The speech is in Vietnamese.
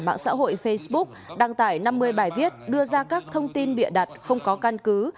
mạng xã hội facebook đăng tải năm mươi bài viết đưa ra các thông tin bịa đặt không có căn cứ